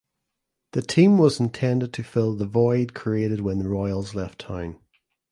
The team was intended to fill the void created when the Royals left town.